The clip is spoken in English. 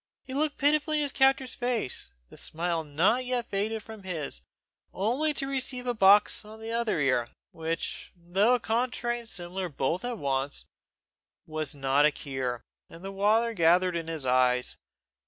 He looked pitifully in his captor's face, the smile not yet faded from his, only to receive a box on the other ear, which, though a contrary and similar both at once, was not a cure, and the water gathered in his eyes.